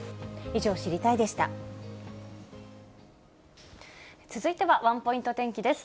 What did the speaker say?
以上、続いてはワンポイント天気です。